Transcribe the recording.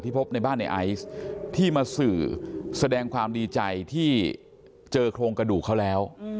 พบในบ้านในไอซ์ที่มาสื่อแสดงความดีใจที่เจอโครงกระดูกเขาแล้ว